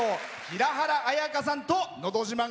平原綾香さんと「のど自慢」